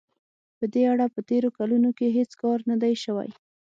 په دې اړه په تېرو کلونو کې هېڅ کار نه دی شوی.